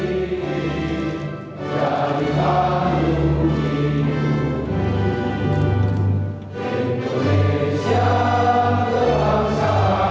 ibu harga bisa bersatu indonesia bersatu